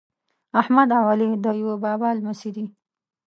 احمد او علي د یوه بابا لمسي دي.